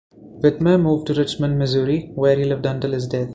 Whitmer moved to Richmond, Missouri, where he lived until his death.